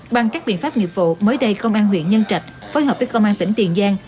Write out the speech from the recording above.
bằng các biện pháp nghiệp vụ mới đây công an huyện nhân trạch phối hợp với công an tỉnh tiền giang